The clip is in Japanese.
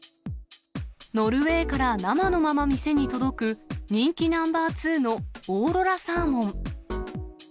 ノルウェーから生のまま店に届く、人気ナンバーツーのオーロラサーモン。